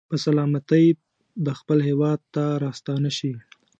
په سلامتۍ به خپل هېواد ته راستانه شي.